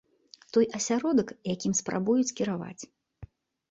Той асяродак, якім спрабуюць кіраваць.